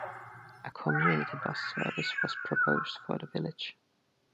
A community bus service was proposed for the village.